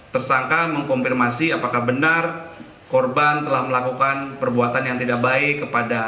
tersangka mengkonfirmasi apakah benar korban telah melakukan perbuatan yang tidak baik kepada